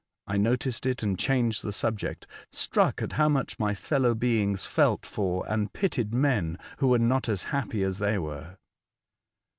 I noticed it and changed the subject, struck at how much my fellow beings felt for and pitied men who were not as happy as they were.